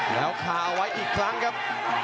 แล้วคาเอาไว้อีกครั้งครับ